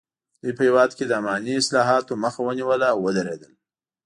دوی په هېواد کې د اماني اصلاحاتو مخه ونیوله او ودریدل.